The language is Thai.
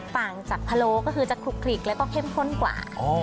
ต่างจากพะโลก็คือจะคลุกคลิกแล้วก็เข้มข้นกว่า